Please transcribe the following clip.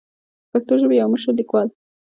د پښتو ژبې يو مشر ليکوال